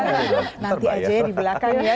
nanti aja ya di belakang ya